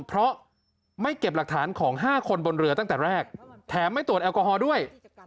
เพราะไม่เก็บหลักฐานของ๕คนบนเรือตั้งแต่แรกแถมไม่ตรวจแอลกอฮอล์ด้วย